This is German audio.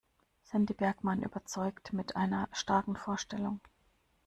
Sandy Bergmann überzeugt mit einer starken Vorstellung.